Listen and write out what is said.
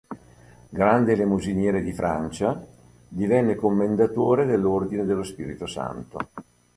Grande elemosiniere di Francia, divenne Commendatore dell'Ordine dello Spirito Santo.